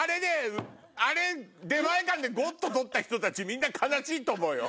あれ出前館でゴッド取った人たちみんな悲しいと思うよ。